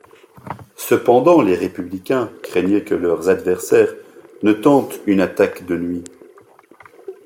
Cependant les Républicains craignaient que leurs adversaires ne tentent une attaque de nuit.